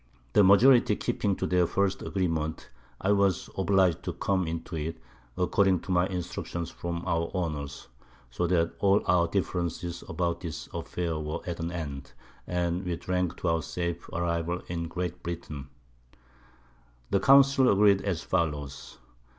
The Majority keeping to their first Agreement I was obliged to come into it, according to my Instructions from our Owners; so that all our Differences about this Affair were at an end, and we drank to our safe Arrival in Great Britain. The Council agreed as follows.